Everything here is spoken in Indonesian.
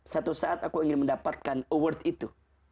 satu saat aku ingin mendapatkan award itu